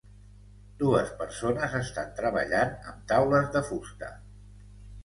Dues persones estan treballant amb taules de fusta.